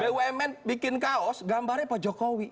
bumn bikin kaos gambarnya pak jokowi